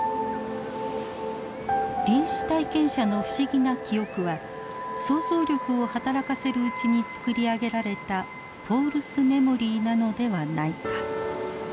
臨死体験者の不思議な記憶は想像力を働かせるうちに作り上げられたフォールスメモリーなのではないか。